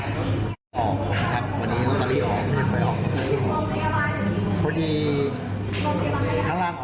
ผมก็ซื้อล็อคเฟอรี่ประมาณ